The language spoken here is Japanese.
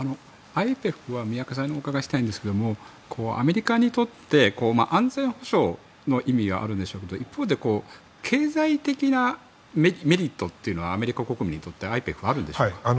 ＩＰＥＦは宮家さんにお伺いしたいんですがアメリカにとって安全保障の意味はあるんでしょうけど一方で経済的なメリットというのはアメリカ国民にとってはあるんでしょうか。